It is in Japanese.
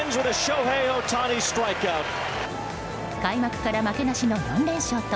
開幕から負けなしの４連勝と